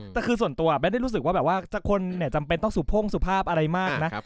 แต่คือส่วนตัวไม่ได้รู้สึกว่าแบบว่าคนจำเป็นต้องสุพ่งสุภาพอะไรมากนะ